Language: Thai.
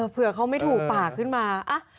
เผื่อเขาไม่ถูกปากขึ้นมา